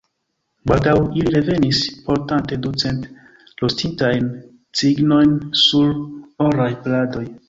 Baldaŭ ili revenis, portante du cent rostitajn cignojn sur oraj pladoj.